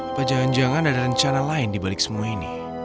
apa jangan jangan ada rencana lain dibalik semua ini